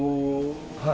はい。